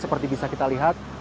seperti bisa kita lihat